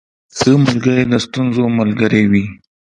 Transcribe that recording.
• ښه ملګری د ستونزو ملګری وي.